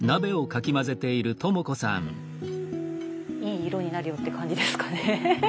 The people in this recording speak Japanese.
いい色になれよって感じですかね。